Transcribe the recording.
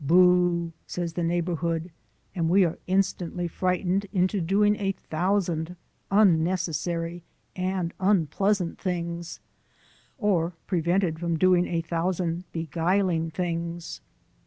"Boo!" says the neighbourhood, and we are instantly frightened into doing a thousand unnecessary and unpleasant things, or prevented from doing a thousand beguiling things.